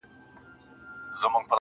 ډيره ژړا لـــږ خـــنــــــــــدا.